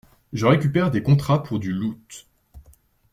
Je récupère des contrats pour du loot.